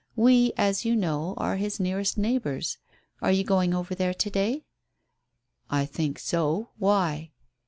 We, as you know, are his nearest neighbours. Are you going over there to day?" "I think so. Why?"